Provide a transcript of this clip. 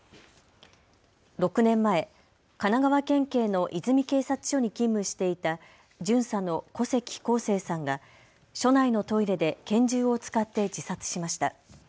６年前、神奈川県警の泉警察署に勤務していた巡査の古関耕成さんが署内のトイレで拳銃を使って自殺しました。